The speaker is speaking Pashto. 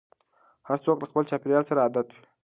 هر څوک له خپل چاپېريال سره عادت وي.